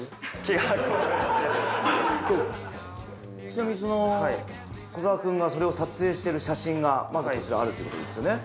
ちなみに小澤君がそれを撮影してる写真がまずはこちらあるということですよね。